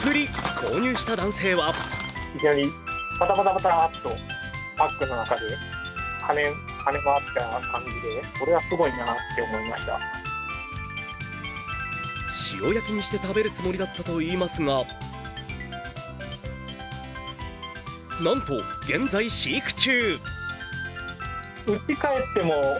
購入した男性は塩焼きにして食べるつもりだったといいますが、なんと現在飼育中。